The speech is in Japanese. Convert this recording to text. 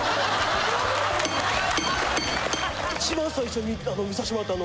一番最初に見さしてもらった。